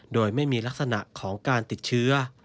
โดยไม่มีลักษณะของการติดเชื้อ